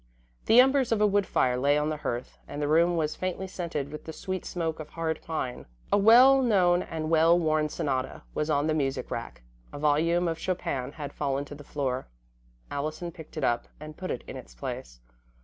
The embers of a wood fire lay on the hearth and the room was faintly scented with the sweet smoke of hard pine. A well known and well worn sonata was on the music rack; a volume of Chopin had fallen to the floor. Allison picked it up, and put it in its place.